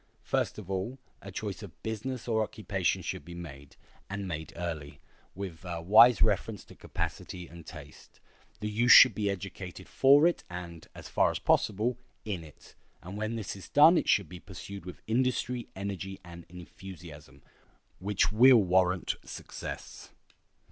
First of all, a choice of business or occupation should be made, and made early, with a wise reference to capacity and taste. The youth should be educated for it and, as far as possible, in it; and when this is done it should be pursued with industry, energy, and enthusiasm, which will warrant success.